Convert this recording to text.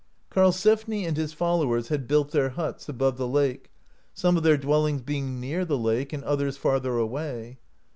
Karlsefni and his followers had built their huts above the lake, some of their dwellings being near the lake, and others farther away.